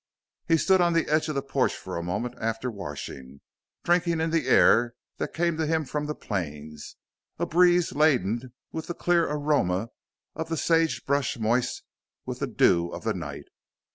He stood on the edge of the porch for a moment after washing, drinking in the air that came to him from the plains a breeze laden with the clear aroma of the sage brush moist with the dew of the night.